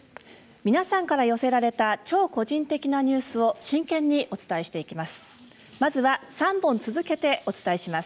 皆さんから寄せられた超個人的なニュースを真剣にお伝えしていきます。